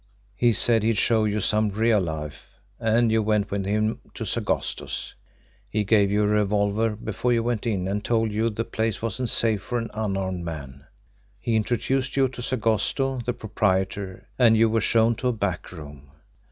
He said he'd show you some real life, and you went with him to Sagosto's. He gave you a revolver before you went in, and told you the place wasn't safe for an unarmed man. He introduced you to Sagosto, the proprietor, and you were shown to a back room.